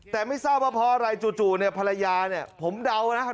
แต่ไม่เศร้าว่าเพราะอะไรจู่ภรรยาผมเดานะ